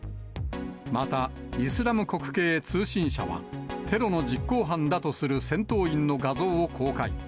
また、イスラム国系通信社は、テロの実行犯だとする戦闘員の画像を公開。